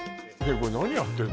これ何やってんの？